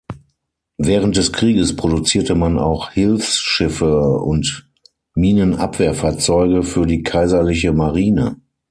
Während des Krieges produzierte man auch Hilfsschiffe und Minenabwehrfahrzeuge für die Kaiserliche Marine.